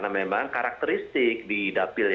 ini adalah potentially